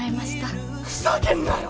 ふざけんなよ！